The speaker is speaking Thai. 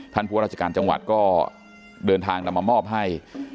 ท่านผัวราชการจังหวัดก็เดินทางมามอบให้